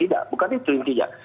tidak bukan itu intinya